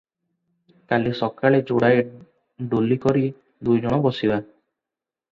କାଲି ସକାଳେ ଯୋଡ଼ାଏ ଡୋଲି କରି ଦୁଇ ଜଣ ବସି ଯିବା ।